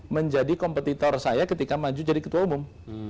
menjadi kompetitor saya ketika maju jadi ketua umum